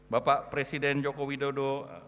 bapak presiden joko widodo